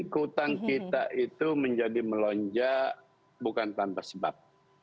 hutang kita itu menjadi melonjak bukan tanpa sebab